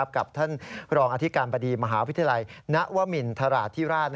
กับท่านรองอธิการบดีมหาวิทยาลัยณวมินทราธิราช